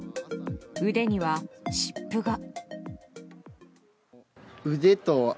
腕には湿布が。